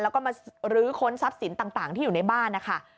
แล้วก็มาลื้อค้นทรัพย์สินต่างที่อยู่ในบ้านนะคะ